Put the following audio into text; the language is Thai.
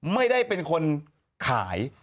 ไม่ได้เป็นคนขาย